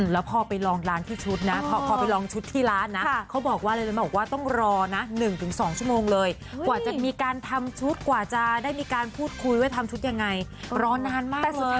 แล้วพอไปลองร้านที่ชุดนะพอไปลองชุดที่ร้านนะเขาบอกว่าอะไรรู้ไหมบอกว่าต้องรอนะ๑๒ชั่วโมงเลยกว่าจะมีการทำชุดกว่าจะได้มีการพูดคุยว่าทำชุดยังไงรอนานมากสุดท้าย